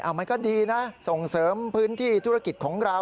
มันก็ดีนะส่งเสริมพื้นที่ธุรกิจของเรา